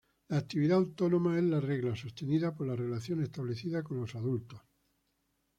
La actividad autónoma es la regla, sostenida por la relación establecida con los adultos.